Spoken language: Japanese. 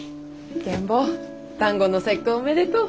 ケン坊端午の節句おめでとう。